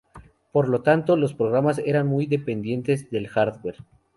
Por lo tanto los programas eran muy dependientes del hardware.